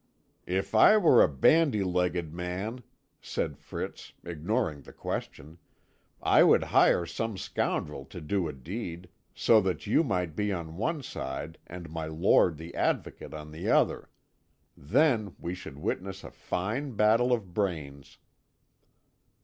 "If I were a bandy legged man," said Fritz, ignoring the question, "I would hire some scoundrel to do a deed, so that you might be on one side and my lord the Advocate on the other. Then we should witness a fine battle of brains."